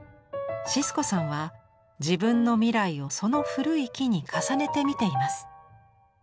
シスコさんは自分の未来をその古い木に重ねて見ています。